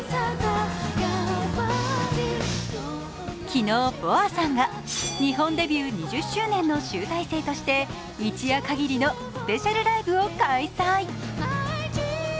昨日、ＢｏＡさんが日本デビュー２０周年の集大成として一夜限りのスペシャルライブを開催。